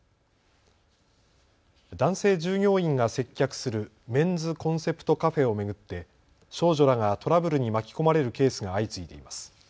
男性従業員が接客するメンズコンセプトカフェを巡って少女らがトラブルに巻き込まれるケースが相次いでいます。